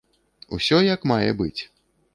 Усё як мае быць.